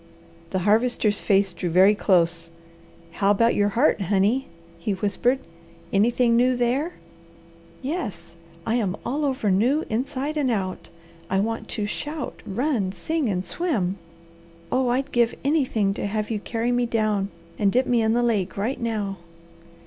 The Harvester's face drew very close. "How about your heart, honey?" he whispered. "Anything new there?" "Yes, I am all over new inside and out. I want to shout, run, sing, and swim. Oh I'd give anything to have you carry me down and dip me in the lake right now."